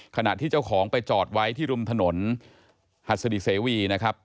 ขณะที่เจ้าของไปจอดไว้ที่ริมถนนหัสดิเสวีนะครับ